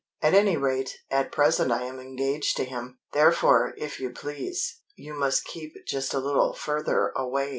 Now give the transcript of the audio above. "At any rate, at present I am engaged to him. Therefore, if you please, you must keep just a little further away.